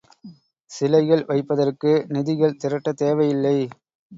சிலைகள் வைப்பதற்கு நிதிகள் திரட்டத் தேவை இல்லை.